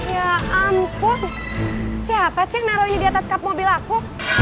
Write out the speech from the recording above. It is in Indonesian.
ya ampun siapa sih yang naro ini di atas kap mobil aku